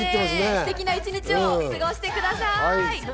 ステキな１日を過ごしてください。